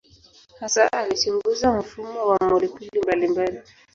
Hasa alichunguza mfumo wa molekuli mbalimbali.